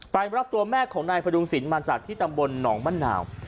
รับตัวแม่ของนายพดุงศิลป์มาจากที่ตำบลหนองมะนาว